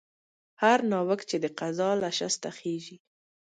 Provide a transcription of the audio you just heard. هر ناوک چې د قضا له شسته خېژي